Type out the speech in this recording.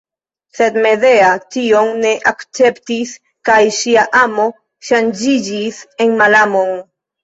Sed Medea tion ne akceptis kaj ŝia amo ŝanĝiĝis en malamon.